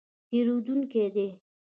تېرېدونکی دی